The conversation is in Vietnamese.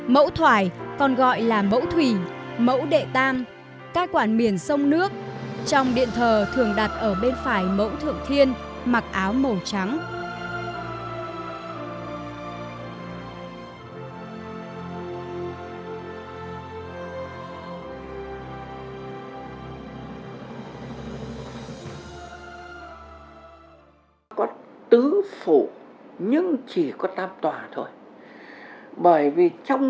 mẫu thoải còn gọi là mẫu thủy mẫu đệ tan các quản miền sông nước trong điện thờ thường đặt ở bên phải mẫu thượng thiên mặc áo màu trắng